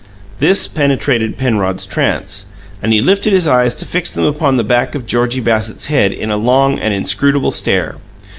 This penetrated Penrod's trance, and he lifted his eyes to fix them upon the back of Georgie Bassett's head in a long and inscrutable stare.